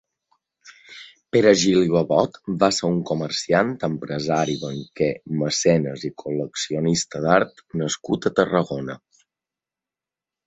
Pere Gil i Babot va ser un comerciant, empresari, banquer, mecenes i col·leccionista d'art nascut a Tarragona.